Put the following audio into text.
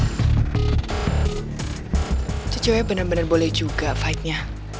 itu cewek bener bener boleh juga fight nya